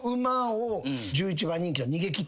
１１番人気の。